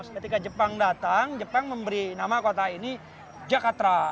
ketika jepang datang jepang memberi nama kota ini jakarta